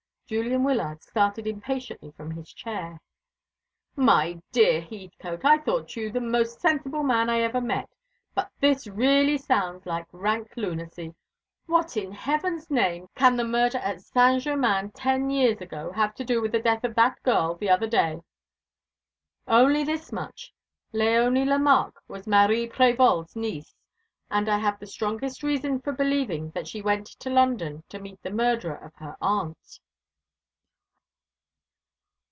Julian Wyllard started impatiently from his chair. "My dear Heathcote, I thought you the most sensible man I ever met, but really this sounds like rank lunacy. What in Heaven's name can the murder at Saint Germain ten years ago have to do with the death of that girl the other day?" "Only this much. Léonie Lemarque was Marie Prévol's niece: and I have the strongest reason for believing that she went to London to meet the murderer of her aunt."